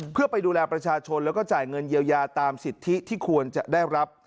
เพื่อไปดูแลประชาชนแล้วก็จ่ายเงินเยียวยาตามสิทธิที่ควรจะได้รับ